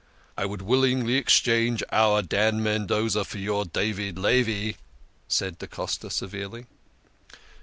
" I would willingly exchange our Dan Mendoza for your David Levi," said da Costa severely.